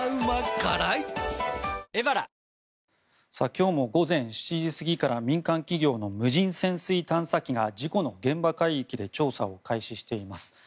今日も午前７時過ぎから民間企業の無人潜水探査機が事故の現場海域で調査を開始しています。